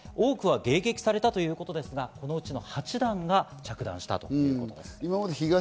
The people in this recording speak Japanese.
多くは迎撃されたということですが、そのうちの８弾が着弾したということです。